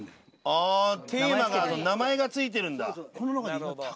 ああテーマが名前が付いてるんだ。